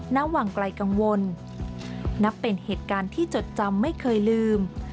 ณวังไกลกังวลนับเป็นเหตุการณ์ที่จดจำไม่เคยลืม